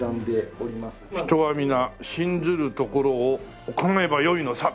「人はみな、信ずるところを行えばよいのサ」